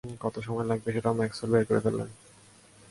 কত সময় লাগবে, সেটাও ম্যাক্সওয়েল বের করে ফেললেন।